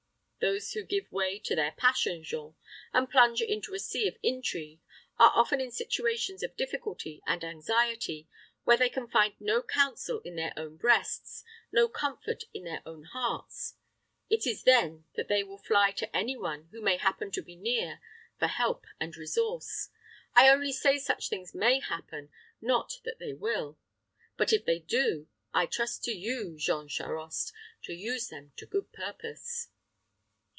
Those who give way to their passion, Jean, and plunge into a sea of intrigue, are often in situations of difficulty and anxiety, where they can find no counsel in their own breasts, no comfort in their own hearts. It is then that they will fly to any one who may happen to be near for help and resource. I only say such things may happen, not that they will; but if they do, I trust to you, Jean Charost, to use them to good purpose."